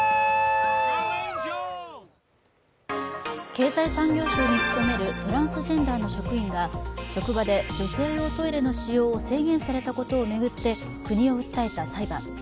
経済産業省に勤めるトランスジェンダーの職員が職場で女性用トイレの使用を制限されたことを巡って国を訴えた裁判。